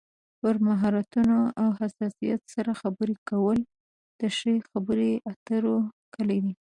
پر مهارتونو او حساسیت سره خبرې کول د ښې خبرې اترو کلي ده.